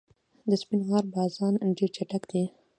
د سپین غر بازان ډېر چټک دي.